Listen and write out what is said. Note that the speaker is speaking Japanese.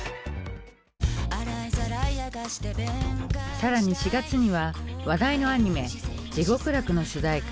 更に４月には話題のアニメ「地獄楽」の主題歌